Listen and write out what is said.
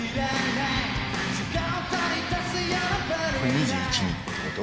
２１２２ってこと？